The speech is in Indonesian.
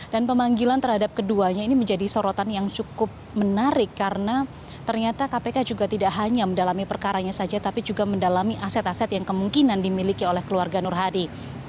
dan pemanggilan terhadap keduanya ini menjadi sorotan yang cukup menarik karena ternyata kpk juga tidak hanya mendalami perkaranya saja tapi juga mendalami aset aset yang kemungkinan dimiliki oleh keluarga nur hadi